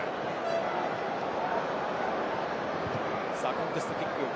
コンテストキック。